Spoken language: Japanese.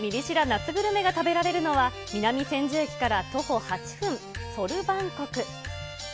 夏グルメが食べられるのは、南千住駅から徒歩８分、ソルバンコク。